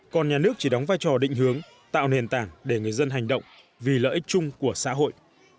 còn nhà nước chỉ đóng vai trò định hướng tạo nền tảng để người dân hành động vì lợi ích chung của xã hội